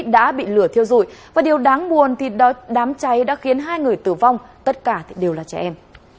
đã bị lửa thiêu dụi và điều đáng buồn thì đám cháy đã khiến hai người tử vong tất cả đều là trẻ em